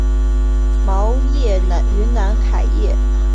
毛叶云南桤叶树为桤叶树科桤叶树属下的一个变种。